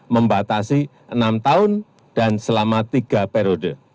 membatasi enam tahun dan selama tiga periode